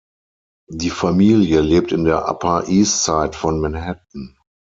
Die Familie lebt in der Upper East Side von Manhattan.